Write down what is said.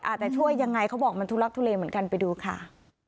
อาจจะช่วยยังไงเขาบอกมันทุลักทุเลเหมือนกันไปดูค่ะ